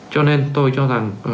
cho nên tôi cho rằng